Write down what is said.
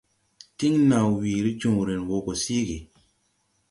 Tiŋ naw weere jõõren wɔ gɔ siigi.